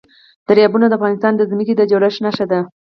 دریابونه د افغانستان د ځمکې د جوړښت نښه ده.